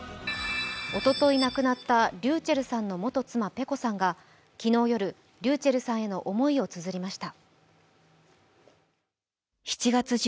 おととい亡くなったｒｙｕｃｈｅｌｌさんの元妻・ｐｅｃｏさんが昨日夜、ｒｙｕｃｈｅｌｌさんへの思いをつづりました。